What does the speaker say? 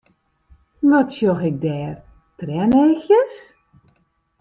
Wat sjoch ik dêr, trieneachjes?